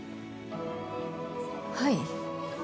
はい。